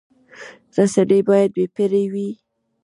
رسنۍ باید بې پرې وي